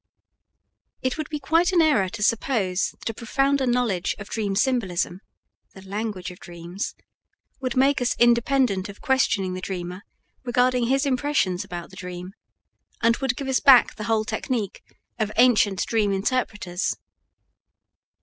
It would be quite an error to suppose that a profounder knowledge of dream symbolism (the "Language of Dreams") would make us independent of questioning the dreamer regarding his impressions about the dream, and would give us back the whole technique of ancient dream interpreters.